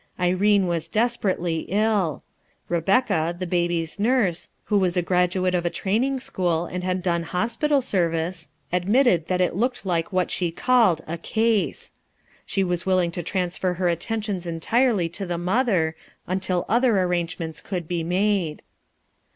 Irene was desperately ill. Rebecca, the baby's nurse, who was a graduate of a training school, and had done hospital service, admitted that it looked like what she called "a case." She was willing to transfer her attentions entirely to the mother, until other arrangements could be made.